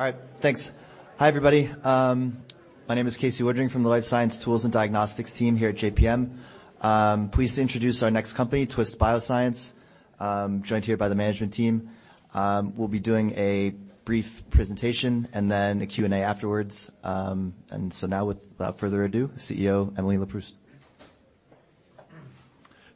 All right, thanks. Hi, everybody. My name is Casey Woodring from the Life Science Tools and Diagnostics team here at JPM. I'm pleased to introduce our next company, Twist Bioscience. Joined here by the management team. We'll be doing a brief presentation and then a Q&A afterwards. Now without further ado, CEO, Emily Leproust.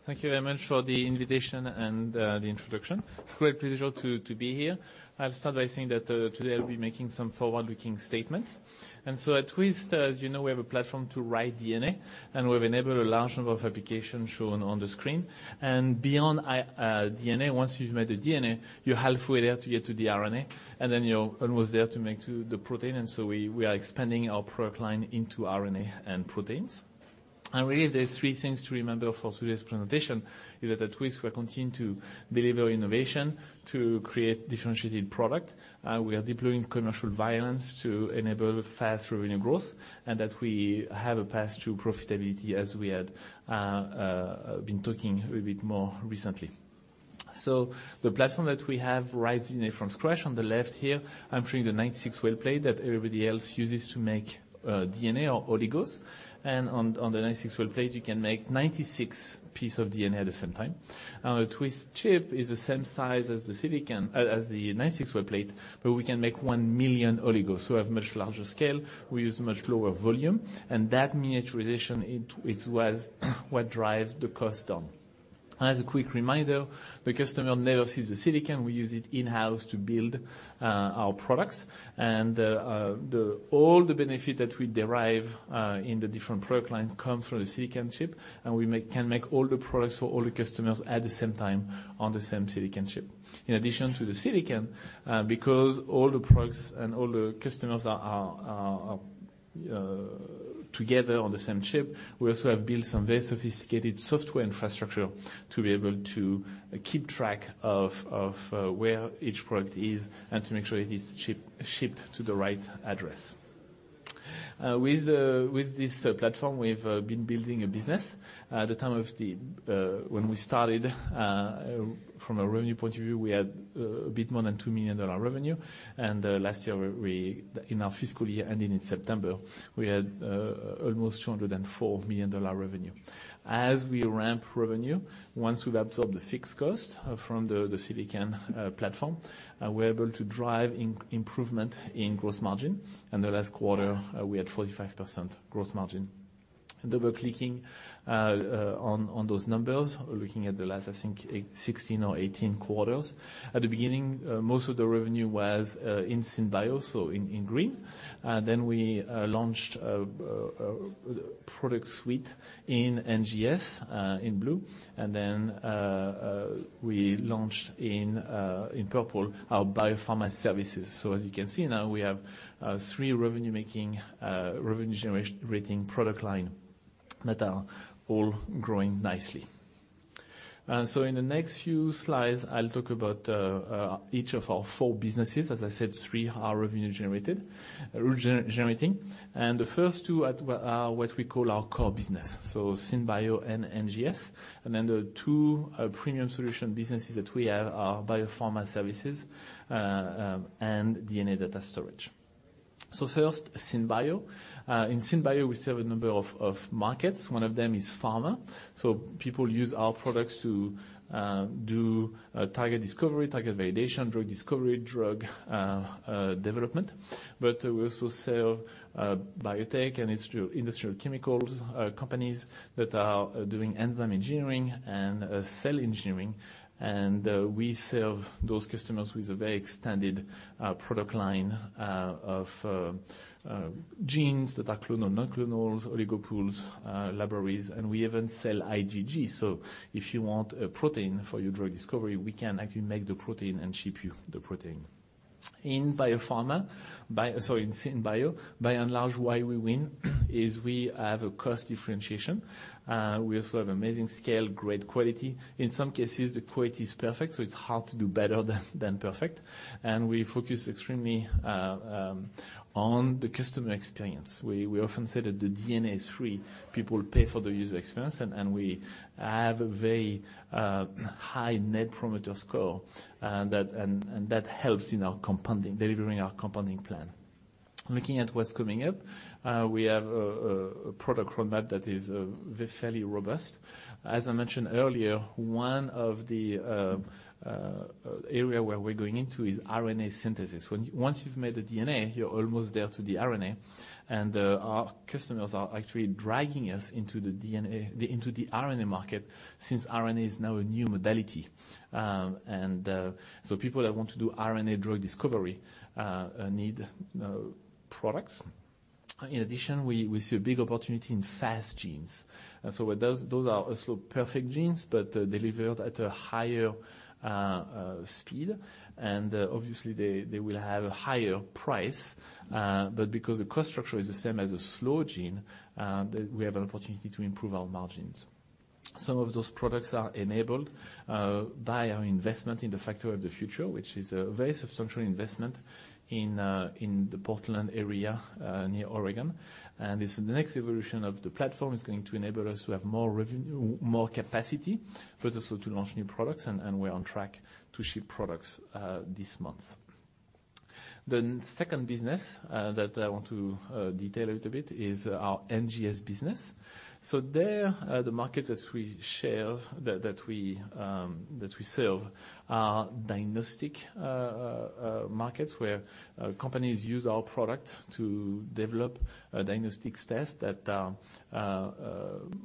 Thank you very much for the invitation and the introduction. It's a great pleasure to be here. I'll start by saying that today I'll be making some forward-looking statements. At Twist, as you know, we have a platform to write DNA, and we've enabled a large number of applications shown on the screen. Beyond DNA, once you've made the DNA, you're halfway there to get to the RNA, and then you're almost there to make to the protein. We are expanding our product line into RNA and proteins. Really, there's three things to remember for today's presentation, is that at Twist we're continuing to deliver innovation to create differentiated product. We are deploying commercial excellence to enable fast revenue growth, and that we have a path to profitability as we had been talking a little bit more recently. The platform that we have writes DNA from scratch. On the left here, I'm showing the 96-well plate that everybody else uses to make DNA or oligos. On the 96-well plate, you can make 96 piece of DNA at the same time. Our Twist chip is the same size as the silicon as the 96-well plate, but we can make one million oligos who have much larger scale. We use much lower volume, and that miniaturization is what drives the cost down. As a quick reminder, the customer never sees the silicon. We use it in-house to build our products. All the benefit that we derive in the different product lines come from the silicon chip, and we can make all the products for all the customers at the same time on the same silicon chip. In addition to the silicon, because all the products and all the customers are together on the same chip, we also have built some very sophisticated software infrastructure to be able to keep track of where each product is and to make sure it is chip-shipped to the right address. With this platform, we've been building a business. At the time of when we started from a revenue point of view, we had a bit more than $2 million revenue. Last year we… In our fiscal year ending in September, we had almost $204 million revenue. As we ramp revenue, once we've absorbed the fixed cost from the silicon platform, we're able to drive improvement in gross margin. In the last quarter, we had 45% gross margin. Double-clicking on those numbers or looking at the last, I think, 16 or 18 quarters. At the beginning, most of the revenue was in Synbio, so in green. Then we launched a product suite in NGS in blue. Then we launched in purple our biopharma services. As you can see now, we have three revenue-making, revenue generation rating product line that are all growing nicely. In the next few slides, I'll talk about each of our four businesses. As I said, three are revenue generated. The first two are what we call our core business, Synbio and NGS. The two premium solution businesses that we have are biopharma services and DNA data storage. First, Synbio. In Synbio, we serve a number of markets. One of them is pharma. People use our products to do target discovery, target validation, drug discovery, drug development. We also sell biotech and industrial chemicals companies that are doing enzyme engineering and cell engineering. We serve those customers with a very extended product line of genes that are clonal, non-clonal, Oligo Pools, libraries, and we even sell IgG. If you want a protein for your drug discovery, we can actually make the protein and ship you the protein. In biopharma, Sorry, in Synbio, by and large, why we win is we have a cost differentiation. We also have amazing scale, great quality. In some cases, the quality is perfect, so it's hard to do better than perfect. We focus extremely on the customer experience. We often say that the DNA is free. People pay for the user experience, and we have a very high Net Promoter Score, that, and that helps in our compounding, delivering our compounding plan. Looking at what's coming up, we have a product roadmap that is very fairly robust. As I mentioned earlier, one of the area where we're going into is RNA synthesis. Once you've made the DNA, you're almost there to the RNA. Our customers are actually dragging us into the RNA market since RNA is now a new modality. People that want to do RNA drug discovery need products. In addition, we see a big opportunity in Fast Genes. What those are also perfect genes, but delivered at a higher speed. Obviously, they will have a higher price. But because the cost structure is the same as a slow gene, we have an opportunity to improve our margins. Some of those products are enabled by our investment in the Factory of the Future, which is a very substantial investment in the Portland area near Oregon. This next evolution of the platform is going to enable us to have more capacity, but also to launch new products. We're on track to ship products this month. The second business that I want to detail a little bit is our NGS business. There, the markets as we share that we serve are diagnostic markets where companies use our product to develop a diagnostics test that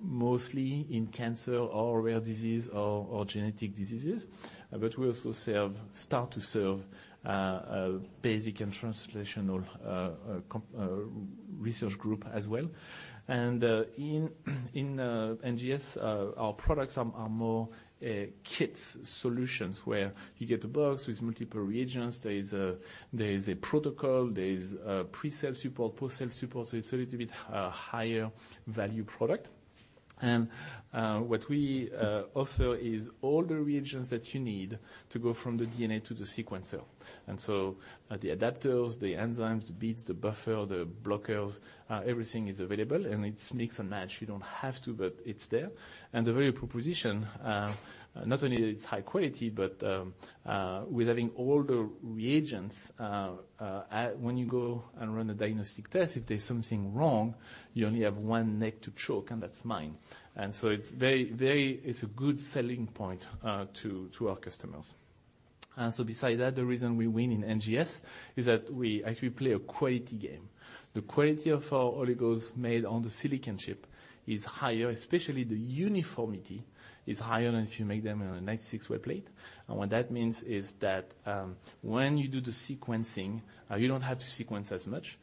mostly in cancer or rare disease or genetic diseases. We also start to serve basic and translational research group as well. In NGS, our products are more kit solutions where you get a box with multiple reagents, there is a protocol, there is pre-sale support, post-sale support. It's a little bit higher value product. What we offer is all the reagents that you need to go from the DNA to the sequencer. The adapters, the enzymes, the beads, the buffer, the blockers, everything is available, and it's mix and match. You don't have to, but it's there. The value proposition, not only it's high quality, but with having all the reagents, when you go and run a diagnostic test, if there's something wrong, you only have one neck to choke, and that's mine. It's very. It's a good selling point to our customers. Beside that, the reason we win in NGS is that we actually play a quality game. The quality of our oligos made on the silicon chip is higher, especially the uniformity is higher than if you make them in a 96-well plate. What that means is that when you do the sequencing, you don't have to sequence as much.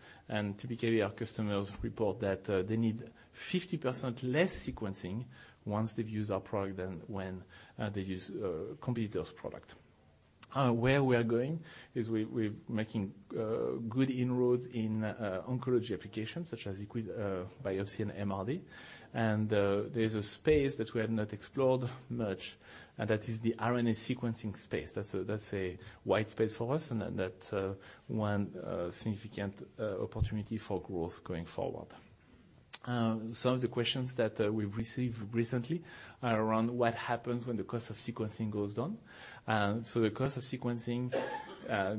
Typically, our customers report that they need 50% less sequencing once they've used our product than when they use competitor's product. Where we are going is we're making good inroads in oncology applications such as liquid biopsy and MRD. There's a space that we have not explored much, and that is the RNA sequencing space. That's a wide space for us and that one significant opportunity for growth going forward. Some of the questions that we've received recently are around what happens when the cost of sequencing goes down. The cost of sequencing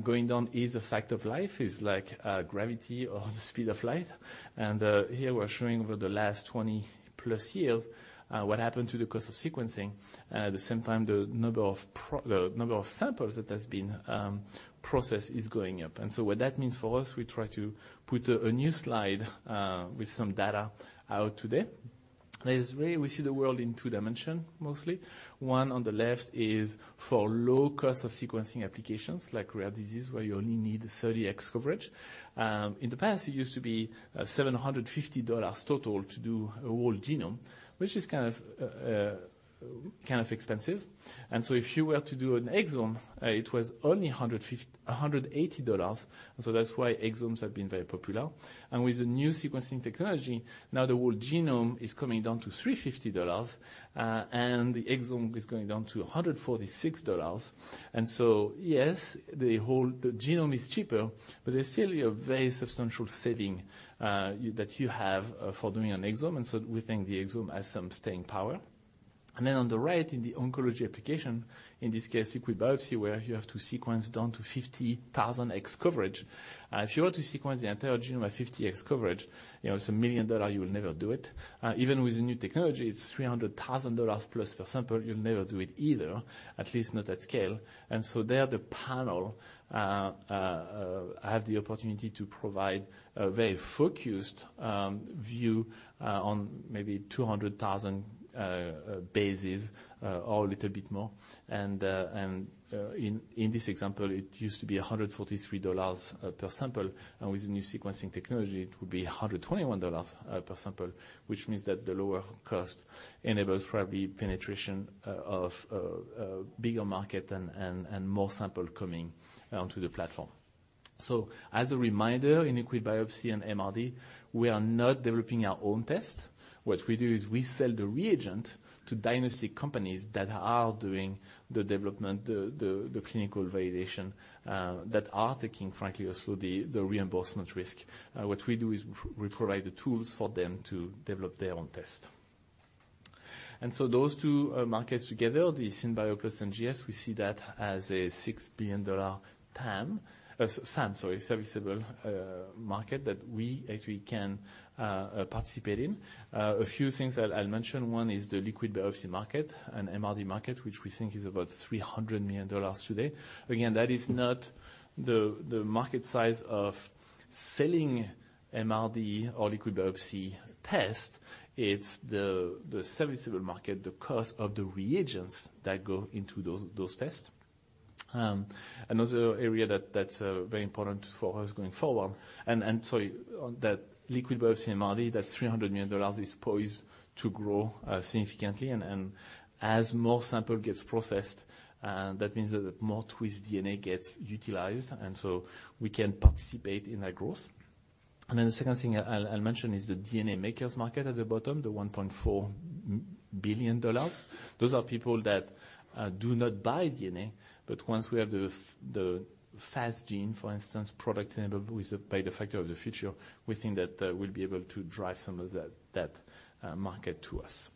going down is a fact of life, is like gravity or the speed of light. Here we're showing over the last 20 plus years what happened to the cost of sequencing. At the same time, the number of samples that has been processed is going up. What that means for us, we try to put a new slide with some data out today, is really we see the world in two-dimension, mostly. One on the left is for low cost of sequencing applications like rare disease, where you only need 30X coverage. In the past, it used to be $750 total to do a whole genome, which is kind of expensive. If you were to do an exome, it was only $180. That's why exomes have been very popular. With the new sequencing technology, now the whole genome is coming down to $350, and the exome is going down to $146. Yes, the genome is cheaper, but there's still a very substantial saving that you have for doing an exome. We think the exome has some staying power. On the right, in the oncology application, in this case, liquid biopsy, where you have to sequence down to 50,000X coverage. If you were to sequence the entire genome at 50X coverage, you know, it's a $1 million, you will never do it. Even with the new technology, it's $300,000+ per sample. You'll never do it either, at least not at scale. There, the panel have the opportunity to provide a very focused view on maybe 200,000 bases or a little bit more. In this example, it used to be $143 per sample. With the new sequencing technology, it would be $121 per sample, which means that the lower cost enables probably penetration of bigger market and more sample coming onto the platform. As a reminder, in liquid biopsy and MRD, we are not developing our own test. What we do is we sell the reagent to diagnostic companies that are doing the development, the clinical validation, that are taking, frankly, also the reimbursement risk. What we do is provide the tools for them to develop their own test. Those two markets together, the SynBio plus NGS, we see that as a $6 billion TAM. SAM, sorry, serviceable market that we actually can participate in. A few things I'll mention. One is the liquid biopsy market and MRD market, which we think is about $300 million today. Again, that is not the market size of selling MRD or liquid biopsy test. It's the serviceable market, the cost of the reagents that go into those tests. Another area that's very important for us going forward. Sorry, that liquid biopsy MRD, that's $300 million, is poised to grow significantly. As more sample gets processed, that means that more Twist DNA gets utilized, so we can participate in that growth. The second thing I'll mention is the DNA makers market at the bottom, the $1.4 billion. Those are people that do not buy DNA, but once we have the Fast Gene, for instance, product enabled with the Factory of the Future, we think that we'll be able to drive some of that market to us.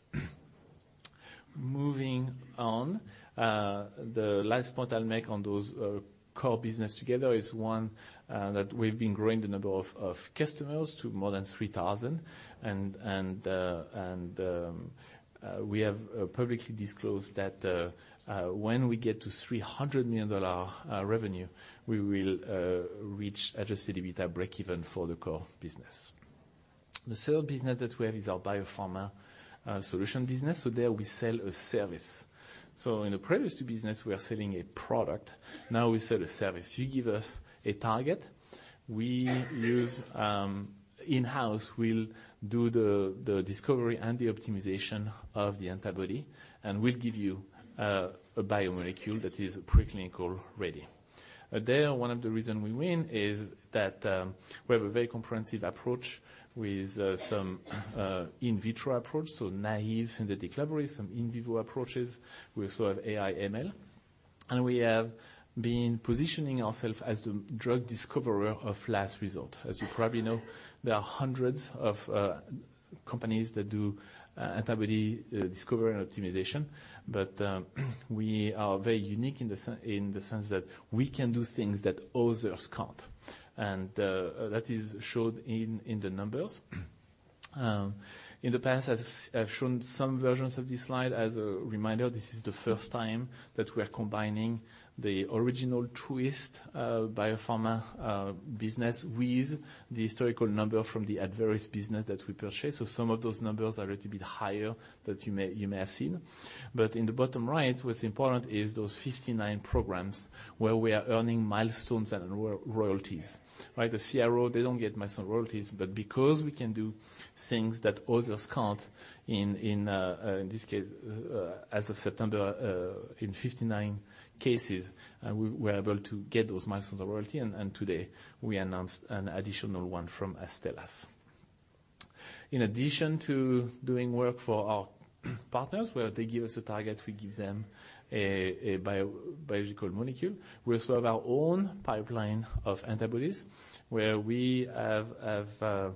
Moving on, the last point I'll make on those core business together is one that we've been growing the number of customers to more than 3,000. We have publicly disclosed that when we get to $300 million revenue, we will reach adjusted EBITDA breakeven for the core business. The third business that we have is our biopharma solution business. There we sell a service. In the previous two business, we are selling a product, now we sell a service. You give us a target, we use in-house, we'll do the discovery and the optimization of the antibody, and we'll give you a biomolecule that is preclinical ready. There, one of the reason we win is that we have a very comprehensive approach with some in vitro approach, so naïve synthetic libraries, some in vivo approaches. We also have AI/ML. We have been positioning ourself as the drug discoverer of last resort. As you probably know, there are hundreds of companies that do antibody discovery and optimization, we are very unique in the sense that we can do things that others can't. That is shown in the numbers. In the past, I've shown some versions of this slide. As a reminder, this is the first time that we are combining the original Twist biopharma business with the historical number from the Abveris business that we purchased. Some of those numbers are a little bit higher that you may have seen. In the bottom right, what's important is those 59 programs where we are earning milestones and royalties, right? The CRO, they don't get milestone royalties, but because we can do things that others can't in this case, as of September, in 59 cases, we were able to get those milestone royalty, and today we announced an additional one from Astellas. In addition to doing work for our partners, where they give us a target, we give them a biological molecule, we also have our own pipeline of antibodies, where we have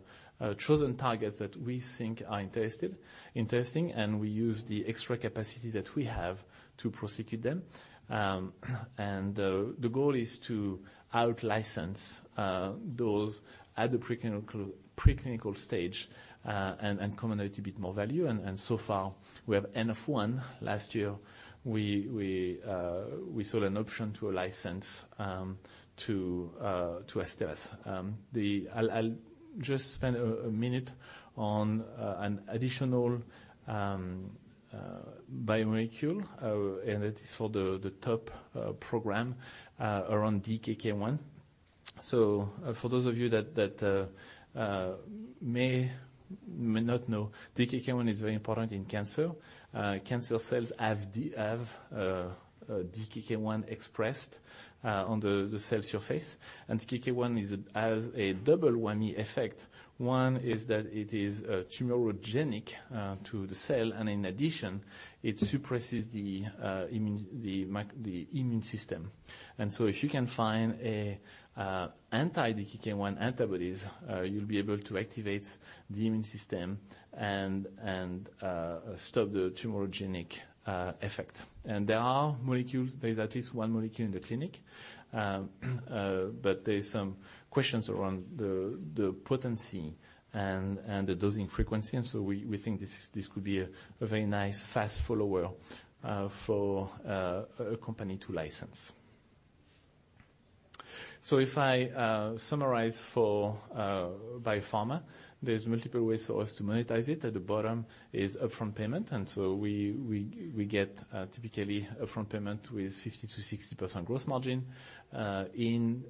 chosen targets that we think are interesting, and we use the extra capacity that we have to prosecute them. The goal is to out-license those at the preclinical stage, and accumulate a bit more value. So far, we have NF1. Last year, we sold an option to a license to Astellas. I'll just spend a minute on an additional biomolecule, and it is for the top program around DKK 1. For those of you that may not know, DKK 1 is very important in cancer. Cancer cells have DKK 1 expressed on the cell surface. DKK 1 has a double whammy effect. One is that it is tumorigenic to the cell, and in addition, it suppresses the immune system. If you can find anti-DKK1 antibodies, you'll be able to activate the immune system and stop the tumorigenic effect. There are molecules. There's at least one molecule in the clinic. There is some questions around the potency and the dosing frequency. We think this could be a very nice fast follower for a company to license. If I summarize for biopharma, there's multiple ways for us to monetize it. At the bottom is upfront payment, and so we get typically upfront payment with 50%-60% gross margin. In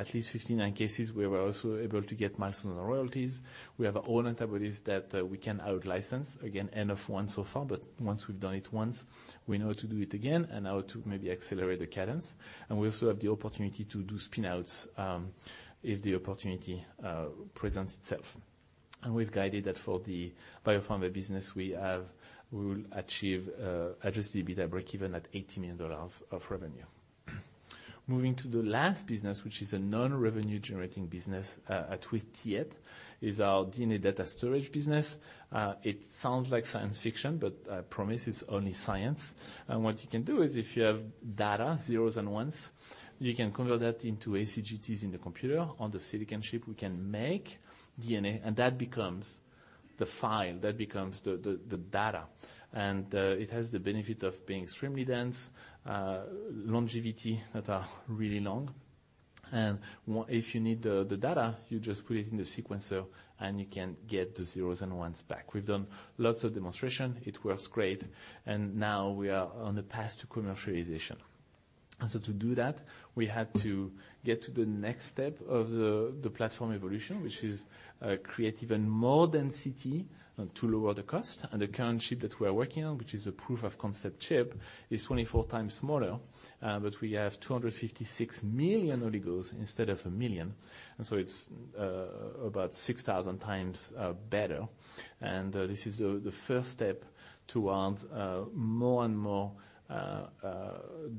at least 59 cases, we were also able to get milestone royalties. We have our own antibodies that we can out-license. Again, NF1 so far, but once we've done it once, we know to do it again and how to maybe accelerate the cadence. We also have the opportunity to do spin-outs if the opportunity presents itself. We've guided that for the biopharma business we have, we will achieve adjusted EBITDA breakeven at $80 million of revenue. Moving to the last business, which is a non-revenue generating business at Twist yet, is our DNA data storage business. It sounds like science fiction, but I promise it's only science. What you can do is if you have data, zeros and ones, you can convert that into ACGTs in the computer. On the silicon chip, we can make DNA, and that becomes the file. That becomes the data. It has the benefit of being extremely dense, longevity that are really long. If you need the data, you just put it in the sequencer and you can get the zeros and ones back. We've done lots of demonstration. It works great. Now we are on the path to commercialization. To do that, we had to get to the next step of the platform evolution, which is create even more density and to lower the cost. The current chip that we are working on, which is a proof of concept chip, is 24 times smaller, but we have 256 million oligos instead of a million. It's about 6,000 times better. This is the first step towards more and more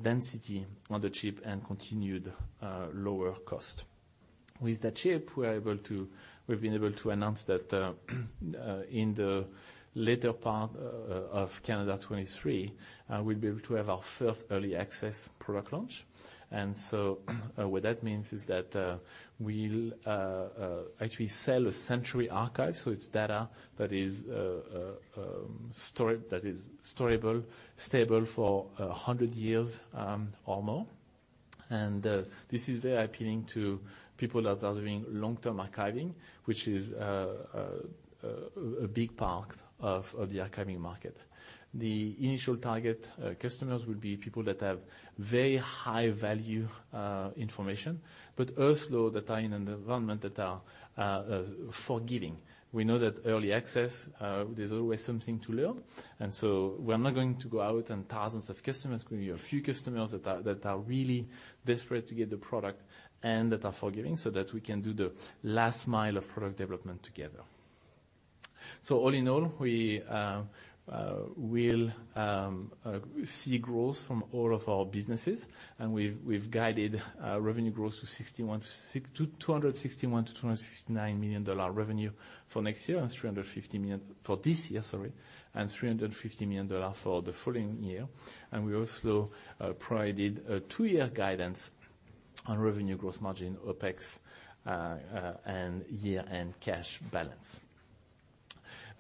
density on the chip and continued lower cost. With the chip, we've been able to announce that in the later part of calendar 2023, we'll be able to have our first early access product launch. What that means is that we'll actually sell a Century Archive, so it's data that is stored, that is storable, stable for 100 years or more. This is very appealing to people that are doing long-term archiving, which is a big part of the archiving market. The initial target customers will be people that have very high value information, but also that are in an environment that are forgiving. We know that early access there's always something to learn. We are not going to go out on thousands of customers, could be a few customers that are really desperate to get the product and that are forgiving, so that we can do the last mile of product development together. All in all, we'll see growth from all of our businesses and we've guided revenue growth to $261 million-$269 million revenue for next year and $350 million for this year, sorry, and $350 million for the following year. We also provided a two-year guidance on revenue growth margin, OpEx, and year-end cash balance.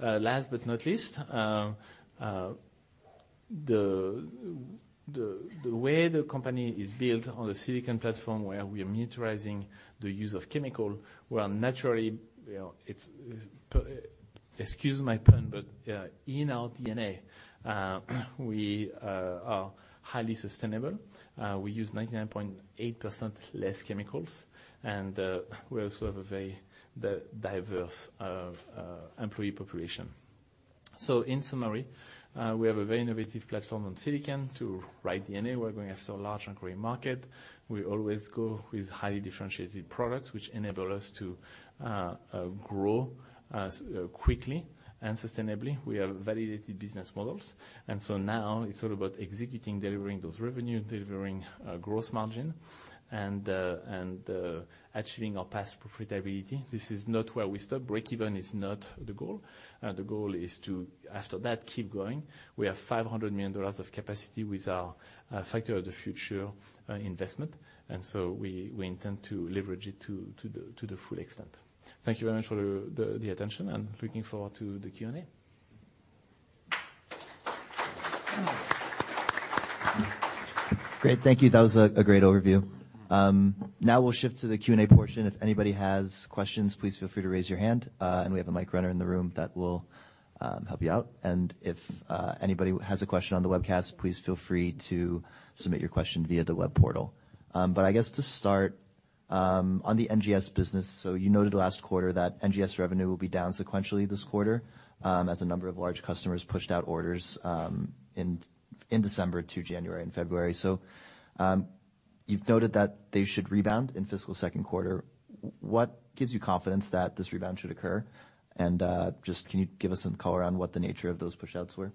Last but not least, the way the company is built on the silicon platform where we are miniaturizing the use of chemical, where naturally, you know, it's, excuse my pun, but in our DNA, we are highly sustainable. We use 99.8% less chemicals and we also have a very diverse employee population. In summary, we have a very innovative platform on silicon to write DNA. We're going after a large and growing market. We always go with highly differentiated products, which enable us to grow quickly and sustainably. We have validated business models. Now it's all about executing, delivering those revenue, delivering gross margin and achieving our path for profitability. This is not where we stop. Breakeven is not the goal. The goal is to, after that, keep growing. We have $500 million of capacity with our Factory of the Future investment, and so we intend to leverage it to the full extent. Thank you very much for the attention, and looking forward to the Q&A. Great. Thank you. That was a great overview. Now we'll shift to the Q&A portion. If anybody has questions, please feel free to raise your hand, and we have a mic runner in the room that will help you out. If anybody has a question on the webcast, please feel free to submit your question via the web portal. I guess to start on the NGS business, you noted last quarter that NGS revenue will be down sequentially this quarter, as a number of large customers pushed out orders in December to January and February. You've noted that they should rebound in fiscal second quarter. What gives you confidence that this rebound should occur? Just can you give us some color on what the nature of those pushouts were?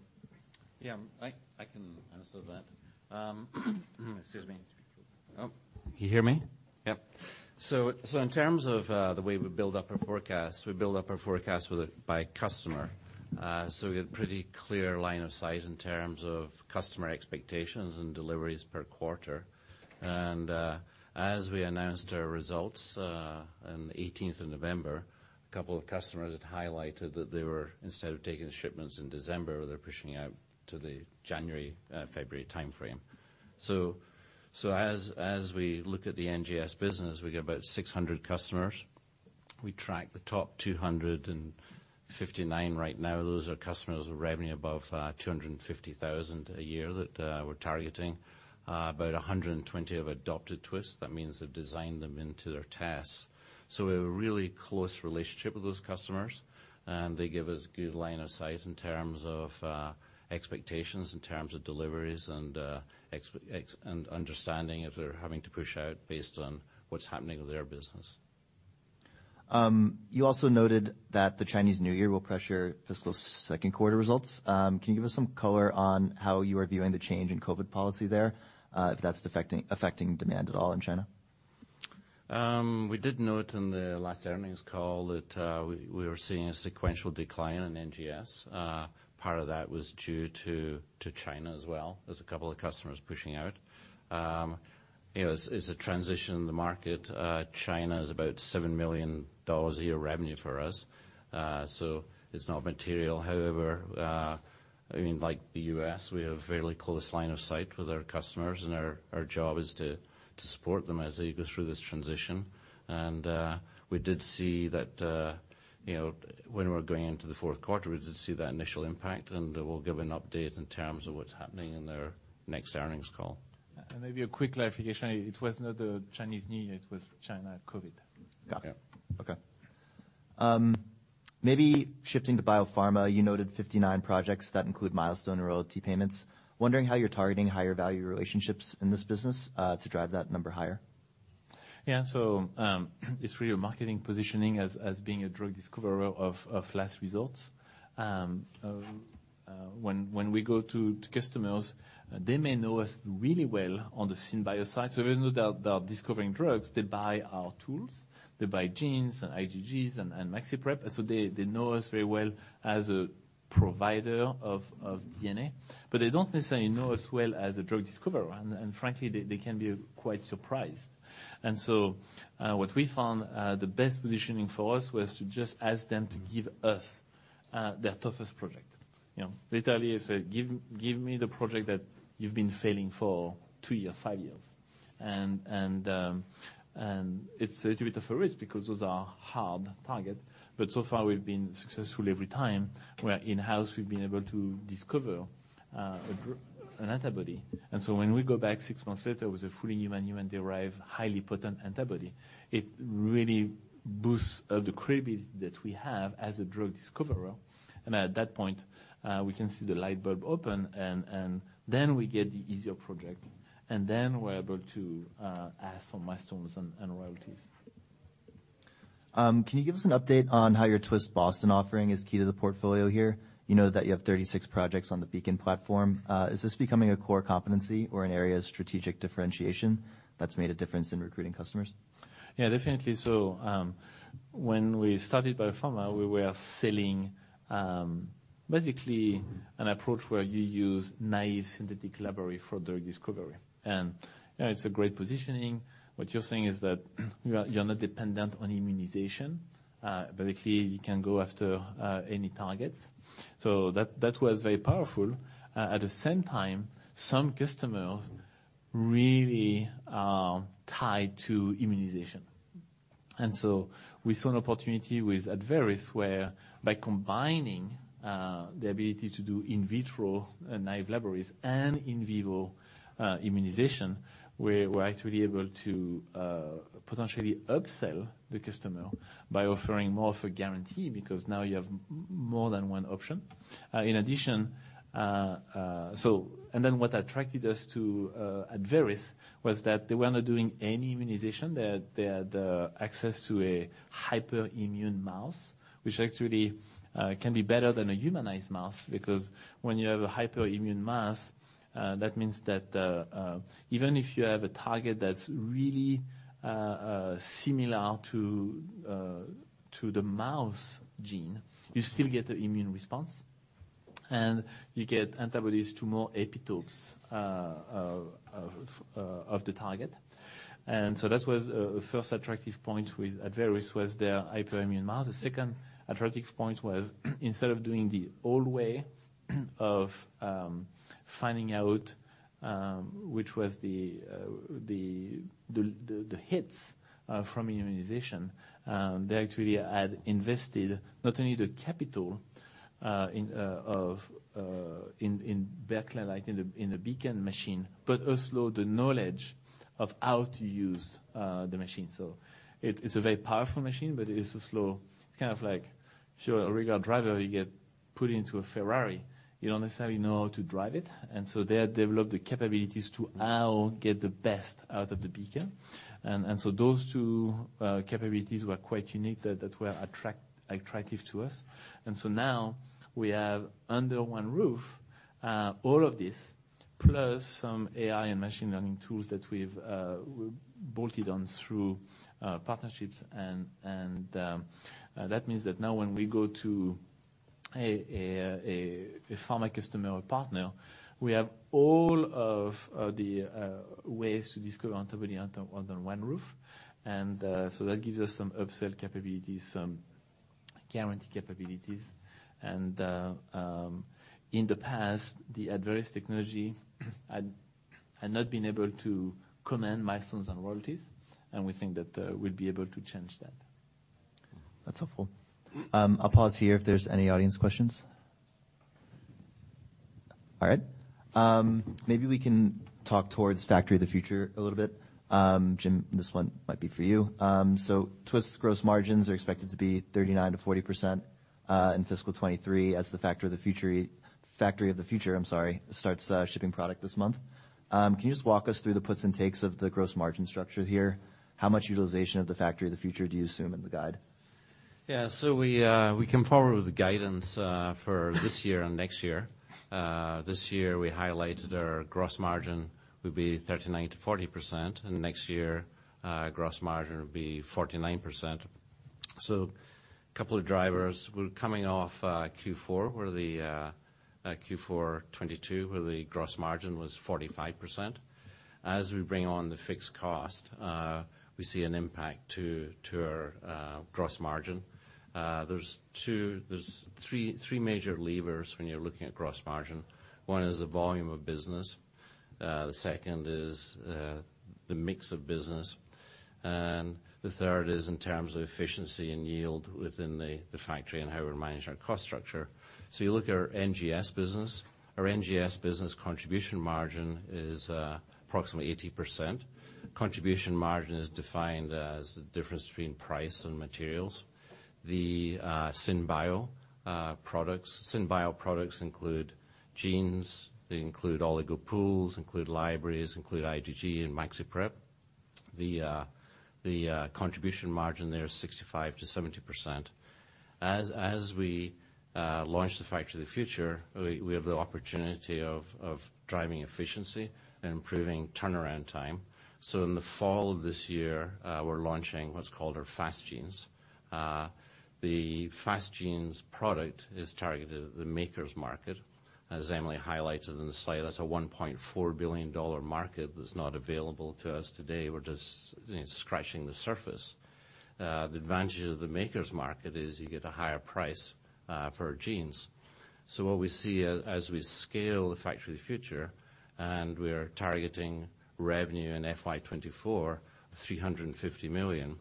Yeah. I can answer that. Excuse me. Oh, can you hear me? Yep. In terms of the way we build up our forecast, we build up our forecast with it by customer. We get pretty clear line of sight in terms of customer expectations and deliveries per quarter. As we announced our results on the 18th of November, a couple of customers had highlighted that they were, instead of taking the shipments in December, they're pushing out to the January, February timeframe. As we look at the NGS business, we get about 600 customers. We track the top 259 right now. Those are customers with revenue above $250,000 a year that we're targeting. About 120 have adopted Twist. That means they've designed them into their tests. We have a really close relationship with those customers, and they give us good line of sight in terms of expectations, in terms of deliveries and understanding if they're having to push out based on what's happening with their business. You also noted that the Chinese New Year will pressure fiscal second quarter results. Can you give us some color on how you are viewing the change in COVID policy there, if that's affecting demand at all in China? We did note in the last earnings call that we were seeing a sequential decline in NGS. Part of that was due to China as well, as a couple of customers pushing out. You know, as a transition in the market, China is about $7 million a year revenue for us. It's not material. However, I mean, like the US, we have fairly close line of sight with our customers, and our job is to support them as they go through this transition. We did see that, you know, when we're going into the fourth quarter, we did see that initial impact, and we'll give an update in terms of what's happening in their next earnings call. Maybe a quick clarification. It was not the Chinese New Year, it was China COVID. Got it. Yeah. Okay. maybe shifting to biopharma, you noted 59 projects that include milestone royalty payments. Wondering how you're targeting higher value relationships in this business, to drive that number higher. It's really a marketing positioning as being a drug discoverer of last resort. When we go to customers, they may know us really well on the Synbio side. They know about discovering drugs. They buy our tools. They buy genes and IgGs and maxiprep. They know us very well as a provider of DNA, but they don't necessarily know us well as a drug discoverer. Frankly, they can be quite surprised. What we found, the best positioning for us was to just ask them to give us their toughest project. You know, literally I say, "Give me the project that you've been failing for 2 years, 5 years." It's a little bit of a risk because those are hard target. So far we've been successful every time where in-house we've been able to discover an antibody. When we go back 6 months later with a fully human-derived, highly potent antibody, it really boosts the credibility that we have as a drug discoverer. At that point, we can see the light bulb open, and then we get the easier project, and then we're able to ask for milestones and royalties. Can you give us an update on how your Twist Boston offering is key to the portfolio here? You know that you have 36 projects on the Beacon platform. Is this becoming a core competency or an area of strategic differentiation that's made a difference in recruiting customers? Yeah, definitely so. When we started BioPharma, we were selling basically an approach where you use naïve synthetic library for drug discovery. You know, it's a great positioning. What you're saying is that you're not dependent on immunization. Basically, you can go after any targets. That, that was very powerful. At the same time, some customers really are tied to immunization. We saw an opportunity with Abveris, where by combining the ability to do in vitro naïve libraries and in vivo immunization, we're actually able to potentially upsell the customer by offering more of a guarantee because now you have more than one option. In addition, what attracted us to Abveris was that they were not doing any immunization. They had access to a hyperimmune mouse, which actually can be better than a humanized mouse, because when you have a hyperimmune mouse, that means that even if you have a target that's really similar to the mouse gene, you still get the immune response, and you get antibodies to more epitopes of the target. That was first attractive point with Abveris, was their hyperimmune mouse. The second attractive point was instead of doing the old way of finding out which was the hits from immunization, they actually had invested not only the capital in Berkeley Lights, in the Beacon machine, but also the knowledge of how to use the machine. So, it's a very powerful machine, but it's a slow. It's kind of like if you're a regular driver, you get put into a Ferrari, you don't necessarily know how to drive it. they had developed the capabilities to how get the best out of the Beacon. those two capabilities were quite unique that were attractive to us. now we have under one roof all of this, plus some AI and machine learning tools that we've bolted on through partnerships, and that means that now when we go to a pharma customer or partner, we have all of the ways to discover antibody under one roof. that gives us some upsell capabilities, some guarantee capabilities. In the past, the Abveris technology had not been able to command milestones and royalties, and we think that we'll be able to change that. That's helpful. I'll pause here if there's any audience questions. All right. Maybe we can talk towards Factory of the Future a little bit. Jim, this one might be for you. Twist's gross margins are expected to be 39%-40% in fiscal 2023 as the Factory of the Future, I'm sorry, starts shipping product this month. Can you just walk us through the puts and takes of the gross margin structure here? How much utilization of the Factory of the Future do you assume in the guide? We came forward with the guidance for this year and next year. This year we highlighted our gross margin will be 39%-40%, and next year, gross margin will be 49%. Couple of drivers. We're coming off Q4, where the Q4 2022, where the gross margin was 45%. As we bring on the fixed cost, we see an impact to our gross margin. There's three major levers when you're looking at gross margin. One is the volume of business. The second is the mix of business. And the third is in terms of efficiency and yield within the factory and how we're managing our cost structure. You look at our NGS business. Our NGS business contribution margin is approximately 80%. Contribution margin is defined as the difference between price and materials. The Synbio products. Synbio products include genes, they include Oligo Pools, include libraries, include IgG and maxiprep. The contribution margin there is 65%-70%. As we launch the Factory of the Future, we have the opportunity of driving efficiency and improving turnaround time. In the fall of this year, we're launching what's called our Fast Genes. The Fast Genes product is targeted at the makers market. As Emily highlighted in the slide, that's a $1.4 billion market that's not available to us today. We're just, you know, scratching the surface. The advantage of the makers market is you get a higher price for genes. What we see as we scale the Factory of the Future, and we are targeting revenue in FY2024, $350 million,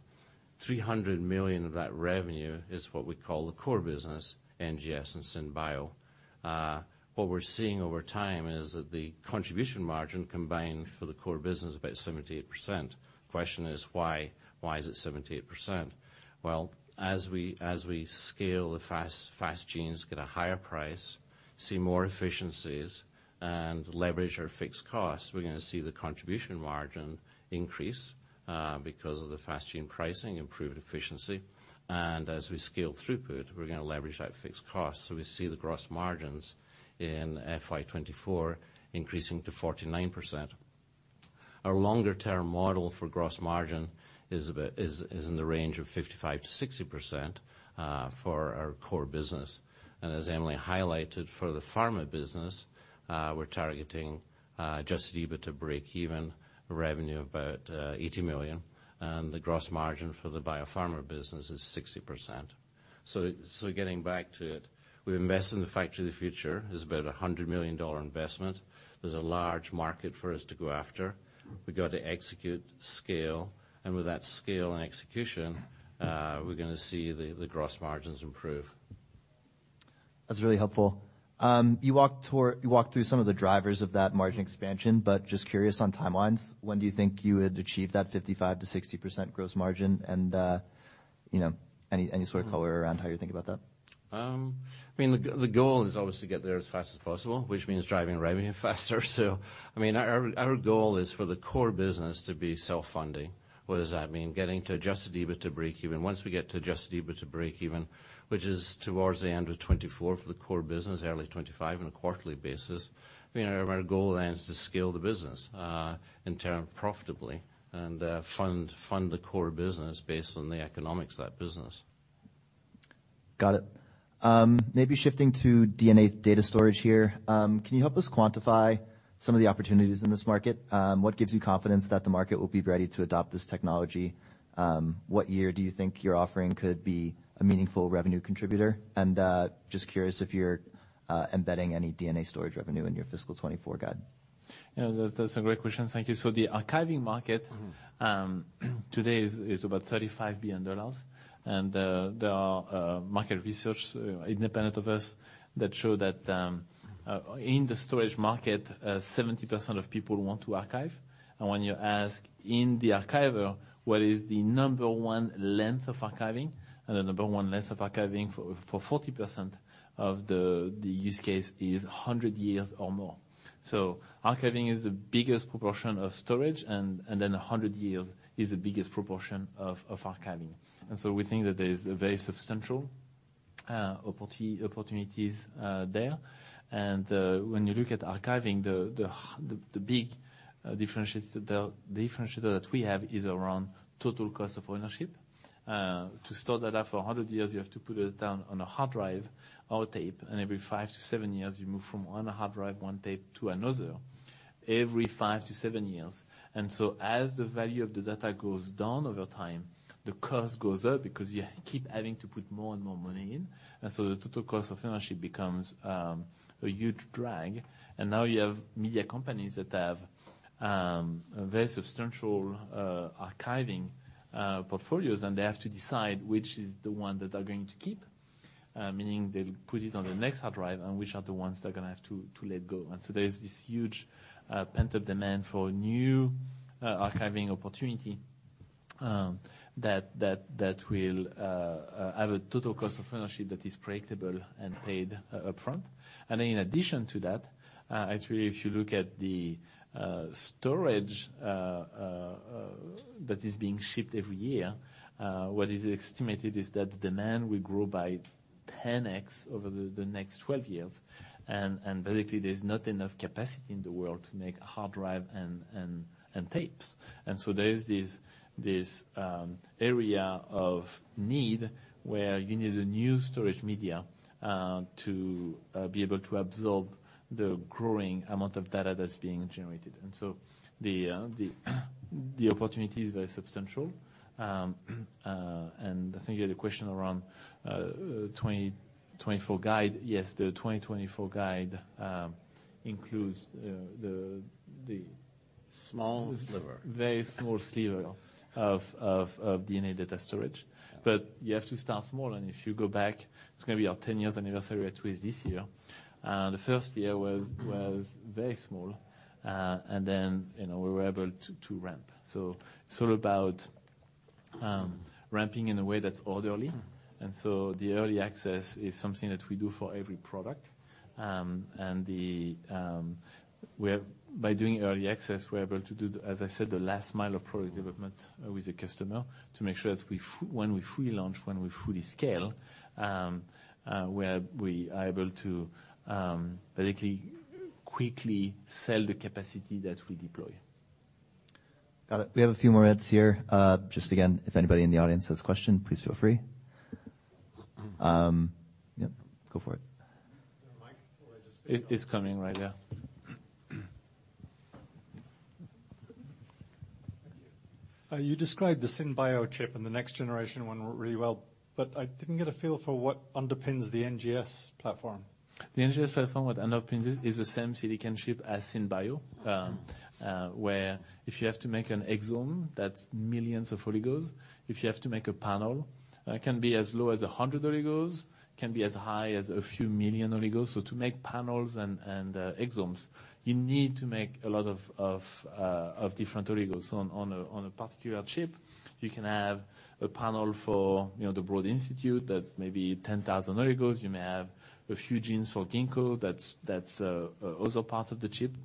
$300 million of that revenue is what we call the core business, NGS and Synbio. What we're seeing over time is that the contribution margin combined for the core business is about 78%. The question is why? Why is it 78%? Well, as we scale the Fast Genes, get a higher price, see more efficiencies, and leverage our fixed costs, we're gonna see the contribution margin increase because of the Fast Gene pricing, improved efficiency. As we scale throughput, we're gonna leverage that fixed cost. We see the gross margins in FY2024 increasing to 49%. Our longer term model for gross margin is in the range of 55%-60% for our core business. As Emily highlighted, for the pharma business, we're targeting adjusted EBITDA break even, revenue of about $80 million, and the gross margin for the biopharma business is 60%. Getting back to it, we invest in the Factory of the Future. It's about a $100 million investment. There's a large market for us to go after. We've got to execute, scale, and with that scale and execution, we're gonna see the gross margins improve. That's really helpful. You walked through some of the drivers of that margin expansion, but just curious on timelines, when do you think you would achieve that 55%-60% gross margin? You know, any sort of color around how you think about that? I mean, the goal is always to get there as fast as possible, which means driving revenue faster. I mean, our goal is for the core business to be self-funding. What does that mean? Getting to adjusted EBITDA to break even. Once we get to adjusted EBITDA to break even, which is towards the end of 2024 for the core business, early 2025 on a quarterly basis, I mean, our goal then is to scale the business, in term profitably and, fund the core business based on the economics of that business. Got it. Maybe shifting to DNA data storage here. Can you help us quantify some of the opportunities in this market? What gives you confidence that the market will be ready to adopt this technology? What year do you think your offering could be a meaningful revenue contributor? Just curious if you're embedding any DNA storage revenue in your fiscal 2024 guide. Yeah, that's a great question. Thank you. The archiving market. Mm-hmm. Today is about $35 billion. There are market research independent of us that show that in the storage market, 70% of people want to archive. When you ask in the archiver, what is the number one length of archiving? The number one length of archiving for 40% of the use case is 100 years or more. Archiving is the biggest proportion of storage, and then 100 years is the biggest proportion of archiving. We think that there is a very substantial opportunities there. When you look at archiving, the big differentiator, the differentiator that we have is around total cost of ownership. To store data for 100 years, you have to put it down on a hard drive or tape. Every five-seven years, you move from one hard drive, one tape, to another every five-seven years. As the value of the data goes down over time, the cost goes up because you keep having to put more and more money in. The total cost of ownership becomes a huge drag. Now you have media companies that have very substantial archiving portfolios, and they have to decide which is the one that they're going to keep, meaning they'll put it on the next hard drive, and which are the ones they're gonna have to let go. There's this huge pent-up demand for new archiving opportunity that will have a total cost of ownership that is predictable and paid upfront. In addition to that, actually, if you look at the storage that is being shipped every year, what is estimated is that demand will grow by 10x over the next 12 years. Basically, there's not enough capacity in the world to make hard drive and tapes. There is this area of need where you need a new storage media to be able to absorb the growing amount of data that's being generated. The opportunity is very substantial. I think you had a question around 2024 guide. Yes, the 2024 guide includes. Small sliver. Very small sliver of DNA data storage. You have to start small. If you go back, it's gonna be our 10-year anniversary at Twist this year. The first year was very small. You know, we were able to ramp. It's all about ramping in a way that's orderly. The early access is something that we do for every product. By doing early access, we're able to do, as I said, the last mile of product development with the customer to make sure that when we fully launch, when we fully scale, we are able to basically quickly sell the capacity that we deploy. Got it. We have a few more minutes here. just again, if anybody in the audience has a question, please feel free. yep, go for it. Is there a mic or I? It's coming right there. Thank you. You described the SynBio chip and the next generation one really well, but I didn't get a feel for what underpins the NGS platform. The NGS platform, what underpins it is the same silicon chip as SynBio. Where if you have to make an exome, that's millions of oligos. If you have to make a panel, it can be as low as 100 oligos, it can be as high as a few million oligos. To make panels and exomes, you need to make a lot of different oligos on a particular chip. You can have a panel for, you know, the Broad Institute that's maybe 10,000 oligos. You may have a few genes for Ginkgo that's also part of the chip.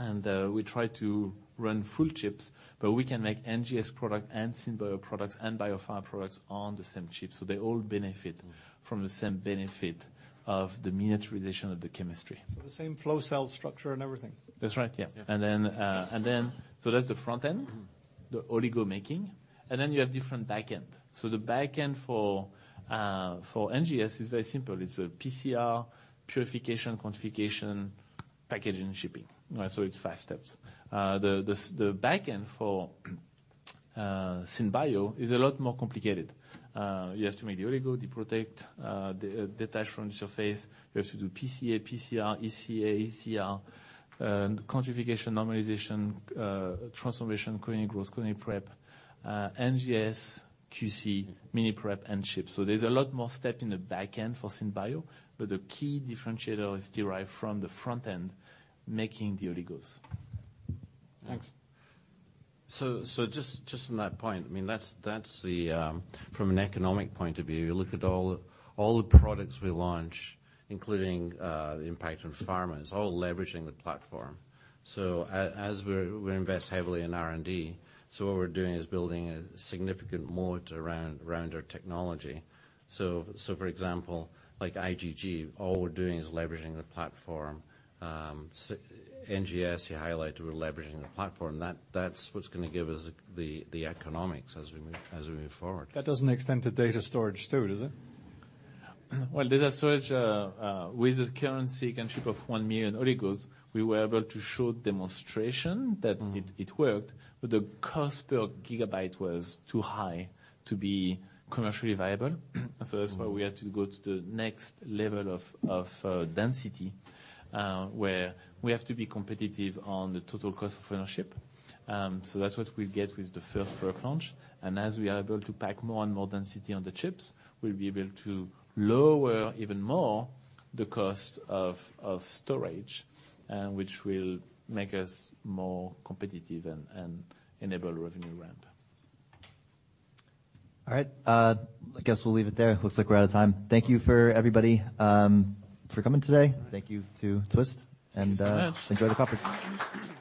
We try to run full chips, but we can make NGS product and SynBio products and BioFire products on the same chip. They all benefit from the same benefit of the miniaturization of the chemistry. The same flow cell structure and everything? That's right. Yeah. Yeah. That's the front end. Mm-hmm. The oligo making, and then you have different back-end. The back-end for NGS is very simple. It's a PCR purification, quantification, packaging, and shipping. It's five steps. The back-end for SynBio is a lot more complicated. You have to make the oligo, deprotect, detach from the surface. You have to do PCA, PCR, ECA, ECR, quantification, normalization, transformation, cloning, cross-cloning prep, NGS, QC, miniprep, and ship. There's a lot more step in the back-end for SynBio, but the key differentiator is derived from the front end, making the oligos. Thanks. Just on that point, I mean, From an economic point of view, you look at all the products we launch, including the impact on pharma, it's all leveraging the platform. As we're, we invest heavily in R&D, so what we're doing is building a significant moat around our technology. For example, like IgG, all we're doing is leveraging the platform. NGS, you highlighted we're leveraging the platform. That's what's gonna give us the economics as we move forward. That doesn't extend to data storage too, does it? Data storage with the current sequence chip of one million oligos, we were able to show demonstration that it worked, but the cost per gigabyte was too high to be commercially viable. That's why we had to go to the next level of density where we have to be competitive on the total cost of ownership. That's what we'll get with the first product launch. As we are able to pack more and more density on the chips, we'll be able to lower even more the cost of storage, which will make us more competitive and enable revenue ramp. All right. I guess we'll leave it there. Looks like we're out of time. Thank you for everybody, for coming today. Thank you to Twist. Thanks so much. Enjoy the conference.